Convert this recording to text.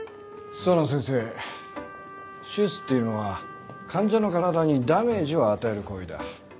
諏訪野先生手術っていうのは患者の体にダメージを与える行為だ。